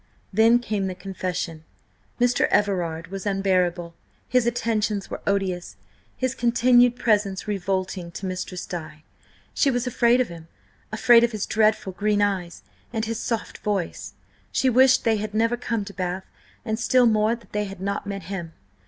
Then came the confession. Mr. Everard was unbearable; his attentions were odious; his continued presence revolting to Mistress Di. She was afraid of him, afraid of his dreadful green eyes and of his soft voice. She wished they had never come to Bath, and still more that they had not met him.